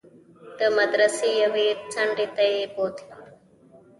د مدرسې يوې څنډې ته يې بوتلم.